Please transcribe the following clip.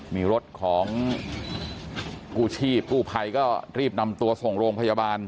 มีรถของกู้ชีพกู้ภัยก็รีบนำตัวส่งโรงพยาบาล